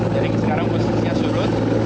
jadi sekarang posisinya surut